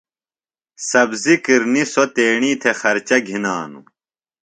سبزیۡ کِرنیۡ سوۡ تیݨی تھےۡ خرچہ گِھنانوۡ۔